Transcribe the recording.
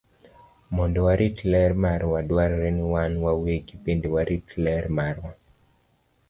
Mondo warit ler marwa, dwarore ni wan wawegi bende warit ler marwa.